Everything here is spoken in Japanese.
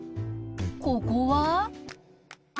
ここは？